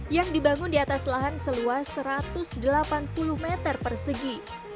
yang dibangun di atas lahan seluas satu ratus delapan puluh meter persegi